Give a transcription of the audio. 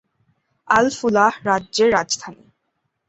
Al-Fulah রাজ্যের রাজধানী।